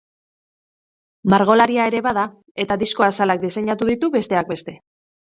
Margolaria ere bada, eta disko-azalak diseinatu ditu, besteak beste.